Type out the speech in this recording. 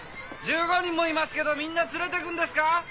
１５人もいますけどみんな連れてくんですか？